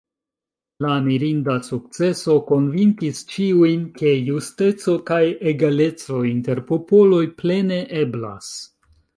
La mirinda sukceso konvinkis ĉiujn, ke justeco kaj egaleco inter popoloj plene eblas.